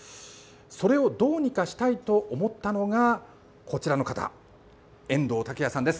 それをどうにかしたいと思ったのがこちらの方、遠藤拓耶さんです。